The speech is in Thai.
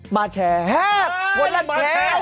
มาแชร์แฮบ